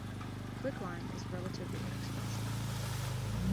Quicklime is relatively inexpensive.